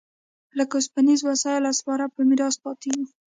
لکه اوسپنیز وسایل او سپاره په میراث پاتې و